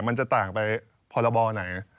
มันจะต่างไปพรบไหน